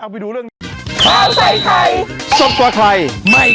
เอาไปดูเรื่องนี้